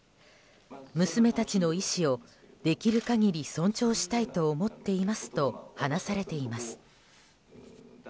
娘たちの意思をできる限り尊重したいと思っていますと話されています。